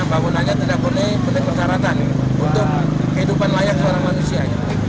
bangunannya tidak punya bentuk persyaratan untuk kehidupan layak seorang manusia